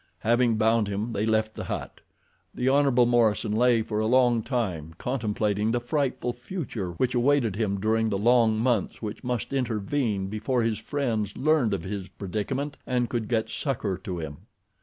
Having bound him they left the hut. The Hon. Morison lay for a long time contemplating the frightful future which awaited him during the long months which must intervene before his friends learned of his predicament and could get succor to him.